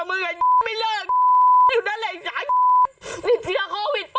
ไอ้อยุ่